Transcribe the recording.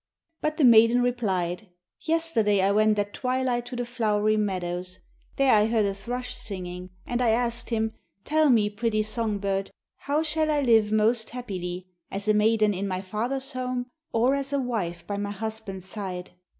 But the maiden replied: 'Yesterday I went at twilight to the flowery meadows. There I heard a thrush singing, and I asked him, "Tell me, pretty song bird, how shall I live most happily, as a maiden in my father's home or as a wife by my husband's side?"